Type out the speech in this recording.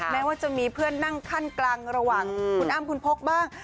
แม้ว่าจะมีเพื่อนนั่งขั้นกลางระหว่างคุณอ้ำคุณพกบ้าง